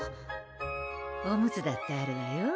オムツだってあるわよ